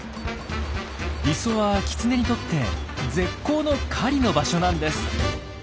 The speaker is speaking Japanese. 磯はキツネにとって絶好の狩りの場所なんです。